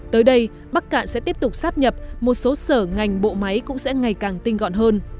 tới đây bắc cạn sẽ tiếp tục sắp nhập một số sở ngành bộ máy cũng sẽ ngày càng tinh gọn hơn